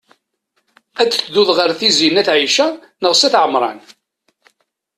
Ad tedduḍ ɣer Tizi n at Ɛica neɣ s at Ɛemṛan?